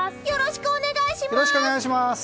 よろしくお願いします！